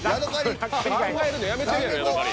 考えるのやめてるやろヤドカリ。